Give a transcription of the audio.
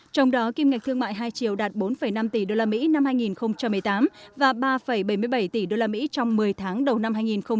trong đó kim ngạch thương mại hai triệu đạt bốn năm tỷ usd năm hai nghìn một mươi tám và ba bảy mươi bảy tỷ usd trong một mươi tháng đầu năm hai nghìn một mươi chín